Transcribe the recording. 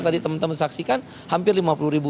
tadi teman teman saksikan hampir lima puluh ribu